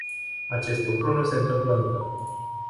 Acest lucru nu se întâmplă încă.